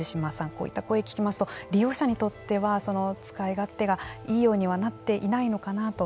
こういった声を聞きますと利用者にとってはその使い勝手がいいようにはなっていないのかなと。